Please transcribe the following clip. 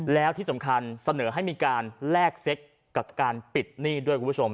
แล้วที่สำคัญเสนอให้มีการแลกเซ็กกับการปิดหนี้ด้วยคุณผู้ชม